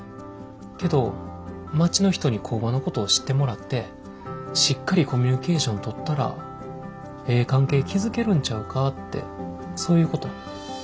けど町の人に工場のことを知ってもらってしっかりコミュニケーション取ったらええ関係築けるんちゃうかってそういうこと？